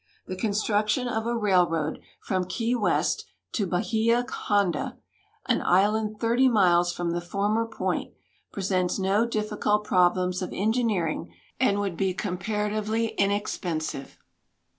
The construction of a railroad from Key West to Bahia Honda, an island 30 miles from the former point, presents no difficult problems of engineering and would be comparatively inexpensive.